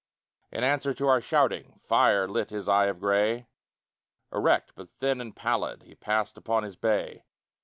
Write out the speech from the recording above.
In answer to our shouting Fire lit his eye of gray; Erect, but thin and pallid, He passed upon his bay.